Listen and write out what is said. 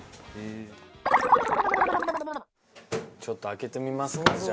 ちょっと開けてみますかじゃあ。